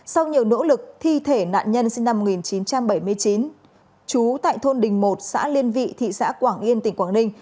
sau nhiều nỗ lực thi thể nạn nhân sinh năm một nghìn chín trăm bảy mươi chín trú tại thôn đình một xã liên vị thị xã quảng yên tỉnh quảng ninh